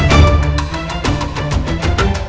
maha n teil